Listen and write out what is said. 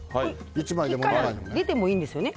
結果、出てもいいんですよね？